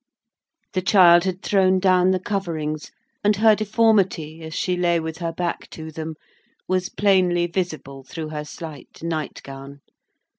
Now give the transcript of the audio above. The child had thrown down the coverings, and her deformity, as she lay with her back to them, was plainly visible through her slight night gown.